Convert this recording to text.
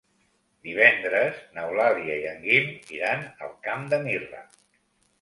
Divendres n'Eulàlia i en Guim iran al Camp de Mirra.